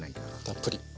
たっぷり。